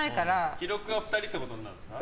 記録は２人ってことになるんですか？